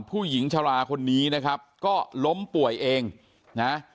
ชราคนนี้นะครับก็ล้มป่วยเองนะ